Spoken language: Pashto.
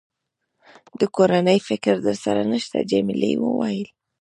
د کورنۍ فکر در سره نشته؟ جميلې وويل:.